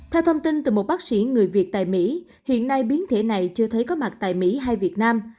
theo thông tin từ một bác sĩ người việt tại mỹ hiện nay biến thể này chưa thấy có mặt tại mỹ hay việt nam